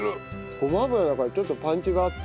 ごま油だからちょっとパンチがあって。